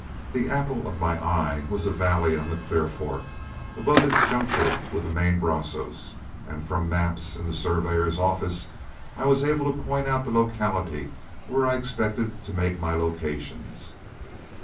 The apple of my eye was a valley on the Clear Fork, above its juncture with the main Brazos, and from maps in the surveyor's office I was able to point out the locality where I expected to make my locations.